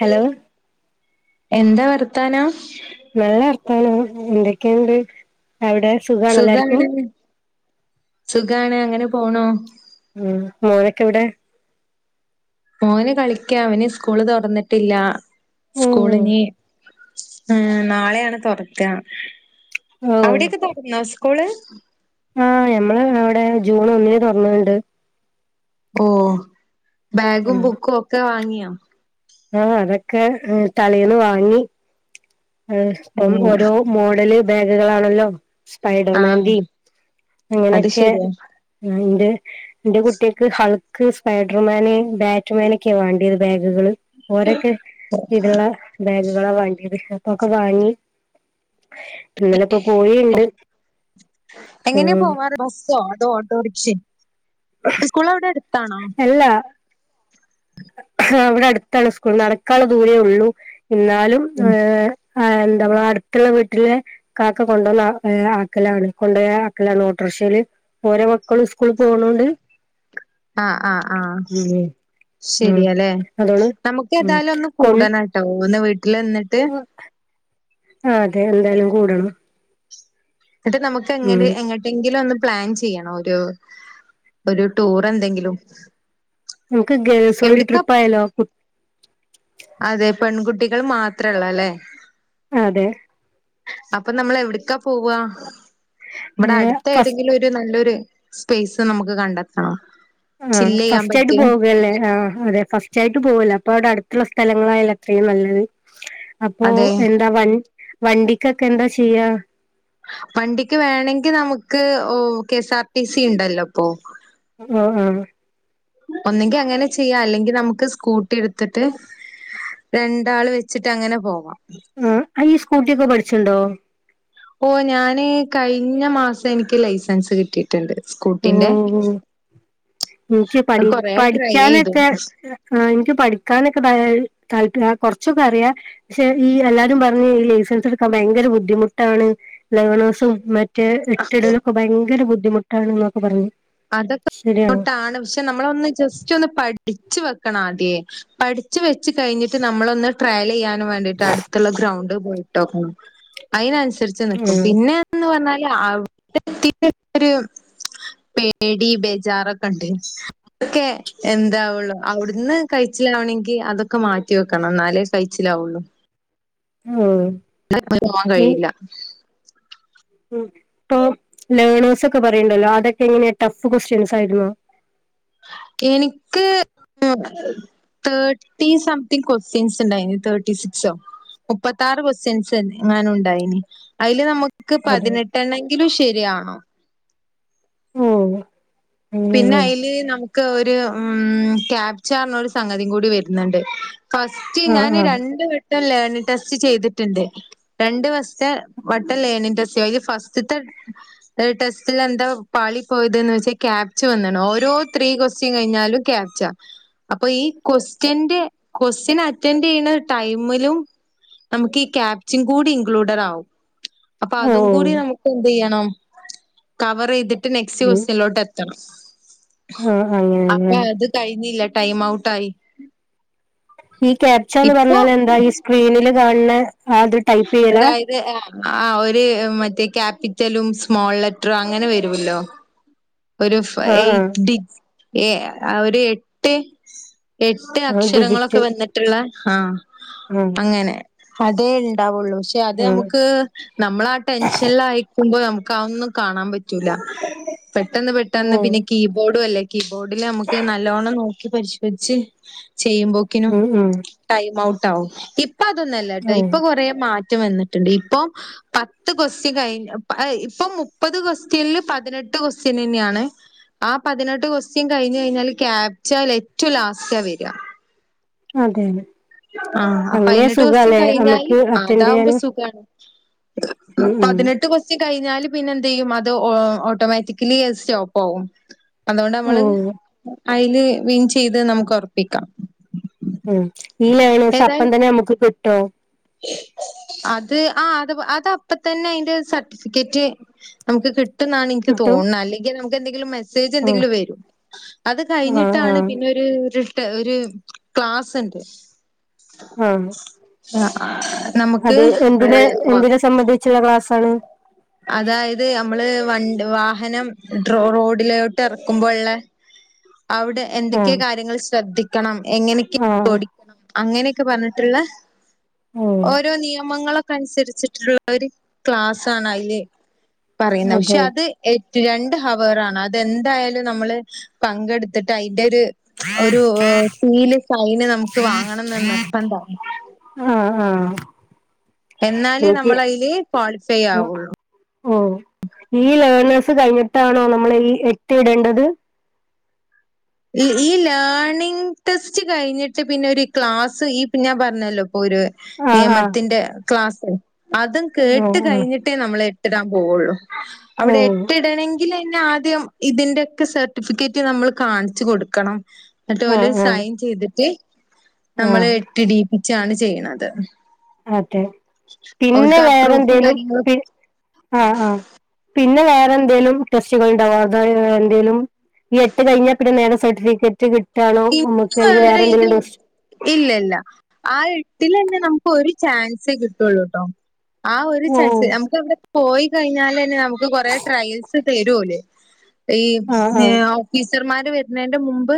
Hello എന്താ വർത്താനം നല്ല വർത്താനം എന്തൊക്കെയണ്ട് അവിടെ സുഖാണോ എല്ലാർക്കും സുഖാണ് സുഖാണ് അങ്ങനെ പോണൂ ഉം മോനൊക്കെ എവിടെ മോന് കളിക്ക അവന് സ്കൂള് തുറന്നിട്ടില്ല ഓ സ്കൂളിഞീ ആഹ് നാളെയാണ് തുറക്ക ഓ അവിടെയൊക്കെ തുറന്നോ സ്കൂള് ആഹ് ഞമ്മള് അവടെ ജൂൺ ഒന്നിന് തൊർന്ന്ണ്ട്. ഓഹ് ബാഗും ഉം ബുക്കും ഒക്കെ വാങ്ങിയോ? ആഹ് അതൊക്കെ ആഹ് തലേന്ന് വാങ്ങി ഇപ്പം ഏഹ് ഓരോ മോഡല് ബാഗുകളാണല്ലോ ആഹ് സ്പൈഡർമാൻ്റിം അത് അങ്ങനക്കെ. ശെരിയാ. ആഹ് എന്റെ ഇന്റെ കുട്ട്യേക്ക് ഹൾ ക്ക് സ്പൈഡർമാന് ബാറ്റ്മാൻ ഒക്കെ വാണ്ടിയത് ബാഗ്കള്. ഓരക്കെ ഇത്ള്ള ബാഗുകളാ വാണ്ടിത് അപ്പൊക്കെ വാങ്ങി. ഇന്നലപ്പം പോയിണ്ട് എങ്ങനെയാ ഉം. പോവാറ് ബസ്സോ അതോ ഓട്ടോറിക്ഷ സ്കൂൾ അഒടെ എട്ത്താണോ? ഇല്ല ക്ക ഇവടെ അട്ത്താണ് സ്കൂൾ നടക്കാള്ള ദൂരേ ഉള്ളൂ ഇന്നാലും ഏഹ് ആഹ് എന്താ ഇവടെ അട്ത്ത്ള്ള വീട്ട്ല് കാക്ക കൊണ്ടന്ന് ആഹ് ഏഹ് ആക്കലാണ് കൊണ്ടേയ ആക്കലാണ്. ഓട്ടറിക്ഷേൽ ഓരോ മക്കളും സ്കൂളിൽ പോണോണ്ട് ആഹ് ആഹ് ആഹ് ഉം ഉം ശരിയലെ അതോണ്ട് നമുക്ക് ഉം ഏതായാലും ഒന്ന് കൊൺ കൂടണട്ടോ ഒന്ന് വീട്ടിൽ ന്ന്ട്ട്? ആഹ് അതെ എന്തായാലും കൂടണം. ന്നട്ട് നമുക്ക് ഉം എങ്ങനെ എങ്ങ എന്തെങ്കിലും ഒന്ന് പ്ലാൻ ചെയ്യണം ഒരു ഒരു ടൂർ എന്തെങ്കിലും. നമക്ക് ഗേൾസോളി എവിട്ക്കാ ട്രിപ്പ് ആയാലോ? അതെ പെൺകുട്ടികൾ മാത്രേള്ള ല്ലെ? ആതെ അപ്പം നമ്മള് എവിട്ക്കാ പോവാ? ഇവടെ ഏഹ് അട്ത്ത ഫസ്റ്റ് ഏതെങ്കിലും ഒ നല്ലൊരു സ്പേസ് നമുക്ക് കണ്ടെത്തണം? ആഹ് ചില്ലെയ്യാൻ ഫസ്റ്റ് ആയിട്ട് പറ്റിയ പോകല്ലേ ആഹ് അതെ ഫസ് ച്ചായിട്ട് പോകല്ലേ അപ്പൊ അവടെ അട്ത്ത്ള്ള സ്ഥലങ്ങളായാല അത്രയും നല്ലത് അപ്പോ അതെ എ വൻ വണ്ടിക്കൊക്കെ എന്താ ചെയ്യാ? വണ്ടിക്ക് വേണെങ്കിൽ നമുക്ക് ഓഹ് K S R T C ഇണ്ടല്ലോ ഇപ്പോ. ആഹ് ആഹ് ഒന്നെങ്കി അങ്ങനെ ചെയ്യാം അല്ലെങ്കിൽ നമുക്ക് സ്കൂട്ടി എടുത്തിട്ട് രണ്ടാള് വെച്ചിട്ട് അങ്ങനെ പോവാം. ആഹ് ഈ സ്കൂട്ടിക്കെ പടിച്ചിണ്ടോ? ഓഹ് ഞാന് കഴിഞ്ഞ മാസം എനിക്ക് ലൈസൻസ് കിട്ടി. ട്ട്ണ്ട് സ്കൂ ഉം ഉം ഇൻക്ക് പടി കൊറേ ട്രൈ ചെയ്തു. പടിക്കാനക്കെ ആഹ് ഇക്ക് പഠിക്കാനൊക്കെ ത താല്പര്യ കൊറച്ചൊക്കെ അറിയാ. പക്ഷെ ഈ എല്ലാരും പർഞ്ഞ് ഈ ലൈസൻസ് എടുക്കാൻ ഭയങ്കര ബുദ്ധിമുട്ടാണ്. ലവണേസും മറ്റേ എട്ടിടലൊക്കെ ഭയങ്കര ബുദ്ധിമുട്ടാണ് ന്നൊക്കെ പർഞ്ഞ്. അതൊക്കെ ട്ടാണ് പക്ഷെ നമ്മളൊന്ന് ജസ്റ്റ് ഒന്ന് പഠിച്ച് വെക്കണ ആദ്യേ. പഠിച്ച് വെച്ച് കഴിഞ്ഞിട്ട് നമ്മള ഒന്ന് ട്രയൽ യ്യാ നു വാണ്ടിട്ട് അട്ത്ത്ള്ള ഗ്രൗണ്ട് പോയിട്ടൊക്കെ അയിനൻസരിച്ച് നിക്കും ആഹ് പിന്നെ ന്ന് പർഞ്ഞാല് അഒടെ എത്തിട്ട ഒരു പേടി ബേജാറൊക്കെ ഇണ്ട് അതൊക്കെ എന്താവുള്ളു അഒട്ന്ന് കയ്ച്ചിലാവണെങ്കി അതൊക്കെ മാറ്റി വെക്കണം എന്നാലേ കയ്ച്ചിലാവുള്ളു. ഉം [unintelligible] പോവാൻ കഴിയില്ല. ഉം ഇപ്പൊ ലേണേഴ്സ് ഒക്കെ പറയ്ണ്ടല്ലോ അതൊക്കെ എങ്ങനെയാ ടഫ് ക്വസ്റ്റ്യൻസ് ആയിരുന്നോ എനിക്ക് ആം തേർട്ടി സംതിങ് ക്വസ്റ്റ്യൻസ് ണ്ടായ്നു തേർട്ടി സിക്സോ മുപ്പത്താറ് ക്വസ്റ്റ്യൻസ് എങ്ങാനുണ്ടായിന് അയ്ല് നമുക് ക്ക് അതെ പതിനെട്ടെണ്ണെങ്കിലും ശരിയാവണം ഉവ്വ്‌ വ്വ് പിന്നെ അയ്ല് നമുക്ക് ഒരു ഉം ക്യാപ്ചർനൊരു സംഗതിം കൂടി വര്ന്ണ്ട് ഫസ്റ്റ് ആഹ് ഞാന് ആഹ് രണ്ടു വട്ടം ലേണിങ്ങ് ടെസ്റ്റ് ചെയ്തിട്ട്ണ്ട് രണ്ട് ഫസ്റ്റെ വട്ടം ലേണിംഗ് ടെസ്റ്റ്‌ ചെയ്ത് അതില് ഫസ്റ്റ്ത്തെ ഡേ ടെസ്റ്റിൽ എന്താ പാളി പോയ്തെന് വെച്ചാ ക്യാപ് ച്ച വന്ന്ണ് ഓരോ ത്രീ ക്വസ്റ്റ്യൻ കഴിഞ്ഞാലും ക്യാപ്ച്ച അപ്പൊ ഈ ക്വസ്റ്റ്യന്റെ ക്വസ്റ്റ്യൻ അറ്റൻഡ് ചെയ്യണ ടൈമിലും നമുക്ക് ഈ ക്യാപ്ച്ചിം കൂടി ഇൻക്ലൂഡറാവും അപ്പൊ ഓ അതും കൂടി നമുക്ക് എന്തെയ്യണം കവറെയ്തിട്ട് നെക്സ്റ്റ് ക്വസ്റ്റ്യനിലോട്ട് എത് ത്തണം ആഹ് അങ്ങനെയല്ലേ അപ്പൊ അത് കഴിഞ്ഞില്ല ടൈം ഔട്ടായി ഈ ക്യാപ്ച്ചാന്ന് ഇപ്പൊ പറഞ്ഞാലെന്താ ഈ സ്ക്രീനില് കാൺണെ ആത് ട്ട് അതായ് ര് ഏ ആ ഒര് മറ്റേ ക്യാപിറ്റലും സ്മോൾലെറ്ററും അങ്ങനെ വരുവല്ലോ [inaudible] ഒരു ഫയ് ആഹ് ആഹ് എയ്റ്റ് ഡിജ് ഏ ഒരു എട്ട് എട്ട് ആ അക്ഷരങ്ങളൊക്കെ വന്ന്ട്ട്ള്ള ആ ഉം അങ്ങനെ അതേ ണ്ടാവുള്ളൂ പക്ഷെ അത് ആഹ് നമുക്ക് നമ്മളാ ടെൻഷൻല് ആയേക്കുമ്പോ നമുക്ക് ആതൊന്നും കാണാൻ പറ്റൂല പെട്ടെന്ന് പെട് ഓ പെട്ടെന്ന് പിന്നെ കീബോഡും അല്ലേ കീബോഡില് നമുക്ക് നല്ലോണം നോക്കി പരിശോധിച്ച് ചെയ് ചെയ്യുമ്പോ റ്റ്യനും ഉം ഉം ടൈം ഔട്ട്‌ ആവും ഇപ്പ അതൊന്നല്ലട്ടോ ഓ ഇപ്പ കൊറെ മാറ്റം വന്നിട്ടുണ്ട് ഇപ്പൊ പത്ത് ക്വസ്റ്റ്യൻ കഴിഞ്ഞ പ്പ ആയ് ഇപ്പ മുപ്പത് ക്വസ്റ്റ്യൻല് പതിനെട്ട് ക്വസ്റ്റ്യനെന്നെയാണ് ആ പതിനെട്ട് ക്വസ്റ്റ്യൻ കഴിഞ് കഴിഞ്ഞാല് ക്യാപ്ചല് ഏറ്റവും ലാസ്റ്റ വരാ അതെ അതെ ആ ആ പൈനെട്ട് ക്വസ്റ്റ്യൻ കഴിഞ്ഞാല് നമുക്ക് ആ അറ്റൻഡ് അതാവുമ്പോ ചെയ്യാന് സുഖാണ് ഉം ഉം പതിനെട്ട് കൊസ് ച്ച് കഴിഞ്ഞല് പിന്നെ എന്ത്‌ ചെയ്യും അത് ഓ ഓട്ടോമാറ്റിക്ക്‌ ലീ അത് സ്റ്റോപ്പ് ആകും അതുകൊണ്ട് ഓ നമ്മള് അയ്ല് വിൻ ചെയ്ത് നമുക്ക് ഒർപ്പിക്കാ ഉം ഈ ലേണേഴ്സ് അപ്പം ഏതായാലും തന്നെ നമുക്ക് കിട്ടോ അത് ആ അത്പൊ അത അപ്പ തന്നെ അയ്ന്റെ സർട്ടിഫിക്കറ്റ് നമുക്ക് കിട്ടുന്നാണ് ഇൻക്ക് കിട്ടും തോൺണ് അല്ലെങ്കിൽ നമുക്ക് എന്തെങ്കിലും മെസ്സേജ് ആഹ് എന്തെങ്കിലും വരും അത് ആഹ് കഴിഞ്ഞിട്ടാണ് ആഹ് പിന്നെ ഒരു ഒരു ടെ ഒരു ക്ലാസ്സ്ണ്ട് ആഹ് ആഹ് ആഹ് അതെ എന്തിനെ എന്തിനെ സംബന്ധിച്ചുള്ള ക്ലാസ്സാണ് അതായത് നമ്മ്ള് വണ്ട് വാഹനം ഡ്രോ റോഡിലോട്ട് എറക്കുമ്പോള്ളെ അവ്ടെ ആ എന്തൊക്കെ കാര്യങ്ങള് ശ്രദ്ധിക്കണം എങ്ങനെക്കെ ആ ഓടിക്കണം അങ്ങനെക്കെ പർഞ്ഞിട്ടുള്ള ഉം ഓരോ നിയമങ്ങളൊക്കെ അനുസരിച്ചിട്ടുള്ള ഒരു ക്ലാസ്സാണയ്ല് പറയുന്ന പക്ഷെ അതെ അത് ഏറ്റു രണ്ട് ഹവറാണ് അതെന്തായാലും നമ്മള് പങ്കെടുത്തിട്ട് അയ്ന്റെ ഒരു ഒരു സീല് സൈന് നമുക്ക് വാങ്ങണന്ന് നിർബന്ധ ആഹ് ആഹ് എന്നാലേ നമ്മള് അതില് ക്വാളിഫൈ ആവുള്ളൂ. ഉ ഈ ലേണേഴ്സ് കഴിഞ്ഞിട്ടാണോ നമ്മൾ ഈ എട്ട് ഇടേണ്ടത്? ഈ ലേണിങ് ടെസ്റ്റ് കഴിഞ്ഞിട്ട് പിന്നെ ഒരു ക്ലാസ് ഈ പ്പൊ ഞാൻ പറഞ്ഞല്ലോ ഇപ്പൊ ഒരു ആ ആ നിയമത്തിന്റെ ക്ലാസ്സ് അതും ഓ കേട്ട് ആ കഴിഞ്ഞിട്ടേ നമ്മൾ എട്ടിടാൻ പോവുള്ളു. ഓ അവിടെ ഏട്ട് ഇടണെങ്കിൽ അയ്ന് ആദ്യം ഇതിന്റൊക്കെ സർട്ടിഫിക്കറ്റ് നമ്മൾ കാണി ച്ച് കൊടുക്കണം. ന്നട്ട് ആ ഓൽ ആ സൈൻ ചെയ്തിട്ട് ആ നമ്മൾ ടീപ്പിച്ചാണ് ചെയ്യ്ണത് അതെ പിന്നെ പ്രൂഫും വേറെന്തെലും കാര്യങ്ങളും ആഹ് ആഹ് പിന്നെ വേറെ എന്തേലും ടെസ്റ്റ്‌കൾ ഉണ്ടൊ അത് എന്തേങ്കിലും ഈ എട്ട് കഴിഞ്ഞ പിന്നെ നേരെ സർട്ടിഫിക്കറ്റ് കിട്ടാണോ നമ്മുക്ക് അല്ലെങ്കിൽ വേറെ എന്തെങ്കിലും ഡോ ഇല്ല ഇല്ല ആ എട്ടില് തന്നെ നമുക്ക് ഒരു ചാൻസെ കിട്ടുള്ളൂട്ടോ. ആ ഒരു ഓ ചാൻസ് നമുക്ക് അവിടെ പോയി കഴിഞ്ഞാൽ തന്നെ നമുക്ക് കൊറെ ട്രയൽസ് തരും ഓൽ. ഈ ആ ആ ടീച്ചർമാര് വരുന്നന്റെ മുമ്പ്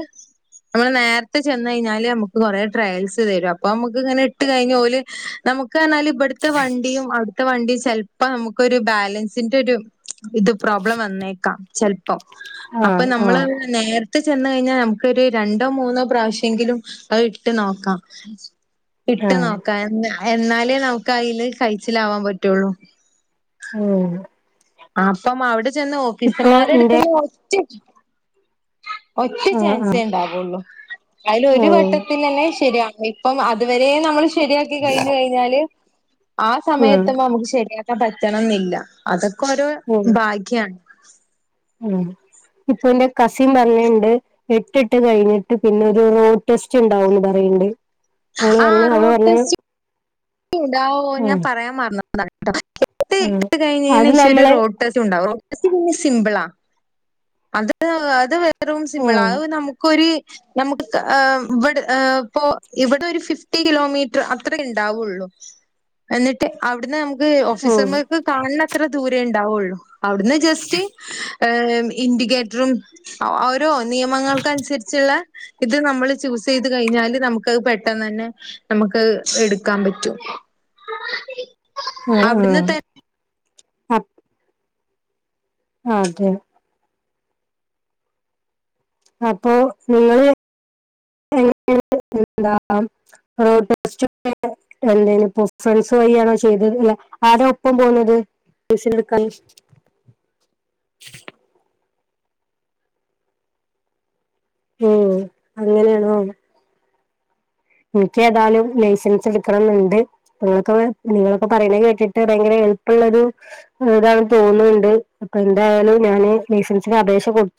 നമ്മള് നേരത്തെ ചെന്ന് കഴിഞ്ഞാല് നമ്മുക്ക് കൊറെ ട്രയൽസ് തരും അപ്പൊ നമ്മുക്ക് ഇങ്ങനെ ഇട്ട് കഴിഞ്ഞ ഓൽ. നമുക്ക് പറഞ്ഞാൽ ഇവിടുത്തെ വണ്ടിയും അവിടുത്തെ വണ്ടിയും ചെലപ്പോ നമുക്കൊരു ബാലൻസിന്റെ ഒരു ഇത് പ്രോബ്ലം വന്നേക്കാം ചെല്പം അപ്പൊ ആഹ് നമ്മള് ആഹ് നേരത്തെ ചെന്ന് കഴിഞ്ഞാൽ ന നമുക്ക് ഒരു രണ്ടോ മൂന്നോ പ്രാവശ്യങ്കിലും അഹ് ഇട്ട് നോക്കാം ഇട്ട് ആഹ് നോക്കാ എന്നാലേ നമുക്ക് അയില് കഴിച്ചിലാവാൻ പറ്റുള്ളൂ. ഉം അപ്പം അവിടെ ചെന്ന് ഇപ്പൊ ഓഫീസർമാരുടെ ഇന്റെ അടുത്ത്ന്ന് ഒ ഒറ്റ ആഹ് ചാൻസേ ആഹ് ഉണ്ടാവുള്ളൂ അയിൽ ഒരു ഉം വട്ടത്തിൽ തന്നെ ശരിയാ അപ്പോം അതുവരെ നമ്മള് ശരിയാക്കി കഴിഞ്ഞു കഴിഞ്ഞാല് ആ സമയം ഉം എത്തുമ്പോ നമുക്ക് ശരിയാ ക്കാൻ പറ്റണം എന്നില്ല അതൊക്കെ ഓരോ ഉം ഭാഗ്യാണ്. ഉം ഇപ്പൊ എന്റെ കസിൻ പറഞ്ഞിണ്ട് എട്ടിട്ട് കഴിഞ്ഞിട്ട് പിന്നെ ഒരു റോഡ് ടെസ്റ്റ് ഉണ്ടാവുംന്ന് പറയിണ്ട്. ഓൾ ആ വന്ന് ഓൾ റോഡ് പറഞ്ഞ് ടെസ്റ്റ് ഉണ്ടാവോ ഞാൻ പറയാൻ മറന്നക്ക്ണ് കേട്ടോ എട്ട് ഉം ഇട്ട് അത് കഴിഞ്ഞിനേശം ഒരു നമ്മളെ റോഡ് ടെസ്റ്റ്ണ്ടാവും [unintelligible] ടെസ്റ്റ്‌ പിന്നെ സിമ്പിള അത് ഏഹ് അത് വെറും സിമ്പിളാ ഉം അഹ് നമുക്കൊര് നമുക്ക് ഏഹ് ഇവിടെ ഏഹ് പോ ഇവിടെ ഒരു ഫിഫ്റ്റി കിലോമീറ്റർ അത്രേ ഉണ്ടാവുള്ളൂ. എന്നിട്ട് അവിടുന്ന് നമുക്ക് ഉം ഓഫീസർമാർക്ക് കാണണ അത്ര ദൂരേ ഉണ്ടാവുള്ളു. അവിടുന്ന് ജസ്റ്റ് ഇൻഡിക്കേറ്ററും ഓരോ നിയമങ്ങൾക്കനുസരിച്ചുള്ള ഇത് നമ്മള് ചൂസ് ചെയ്ത് കഴിഞ്ഞാല് നമുക്ക്ത് പെട്ടെന്ന് തന്നെ നമുക്ക് എടുക്കാൻ പറ്റും. ഉഹ് ഉഹ് അവിടുന്ന് തന്നെ ആഹ് അതെ അപ്പോ നിങ്ങള് [unintelligible] എന്തേലും ഇപ്പൊ ഫ്രണ്ട്സ് വഴിയാണോ ചെയ്തത്? അല്ല ആരാ ഒപ്പം പോന്നത്. [unintelligible] ട്യൂഷൻ എടുക്കാൻ ഉം അങ്ങനെയാണോ ഇൻക്ക് ഏതായാലും ലൈസൻസ് എടുക്കണംമെന്നുണ്ട് നിങ്ങളൊക്കെ നിങ്ങളൊക്കെ പറയണ കേട്ടിട്ട് ഭയങ്കര എളുപ്പള്ളൊരു ഇതാണ് തോന്നുന്നുണ്ട് അപ്പൊ എന്തായാലും ഞാന് ലൈസൻസിന് അപേക്ഷ കൊടുത്തു